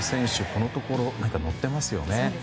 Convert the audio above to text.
このところ乗ってますよね。